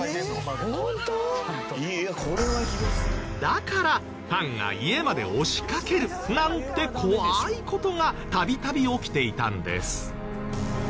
だからファンが家まで押しかけるなんて怖い事が度々起きていたんです。